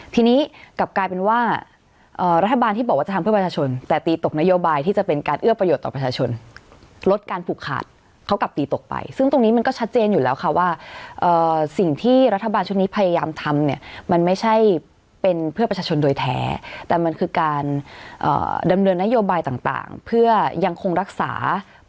ทีนี้กลับกลายเป็นว่ารัฐบาลที่บอกว่าจะทำเพื่อประชาชนแต่ตีตกนโยบายที่จะเป็นการเอื้อประโยชน์ต่อประชาชนลดการผูกขาดเขากลับตีตกไปซึ่งตรงนี้มันก็ชัดเจนอยู่แล้วค่ะว่าสิ่งที่รัฐบาลชุดนี้พยายามทำเนี่ยมันไม่ใช่เป็นเพื่อประชาชนโดยแท้แต่มันคือการดำเนินนโยบายต่างเพื่อยังคงรักษา